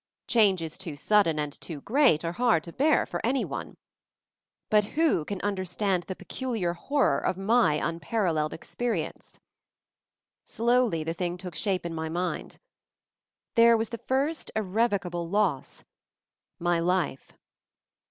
Changes too sudden, and too great, are hard to bear, for any one. But who can understand the peculiar horror of my un paralleled experience? Slowly the thing took shape in my mind. There was the first, irrevocable loss — my life!